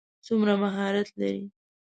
څومره مهارت لري.